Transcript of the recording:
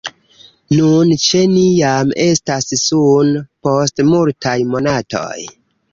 Nun ĉe ni jam estas suno post multaj monatoj.